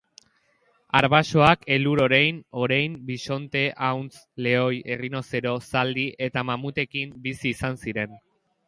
Arbasoak elur-orein, orein, bisonte, ahuntz, lehoi, errinozero, zaldi eta mamutekin bizi izan ziren.